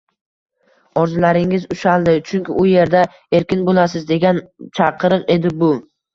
orzularingiz ushaladi, chunki u yerda erkin bo‘lasiz!» — degan chaqiriq edi bu.